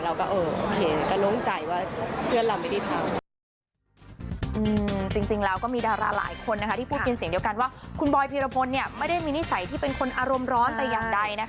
เราก็โอเคก็โล่งใจว่าเพื่อนเราไม่ได้ทำ